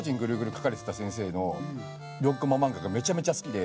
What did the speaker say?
描かれてた先生の４コマ漫画がめちゃめちゃ好きで。